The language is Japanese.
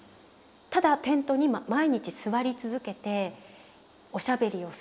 ただテントに毎日座り続けておしゃべりをするだけの生活。